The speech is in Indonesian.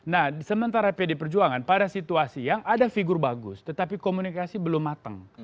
nah sementara pd perjuangan pada situasi yang ada figur bagus tetapi komunikasi belum matang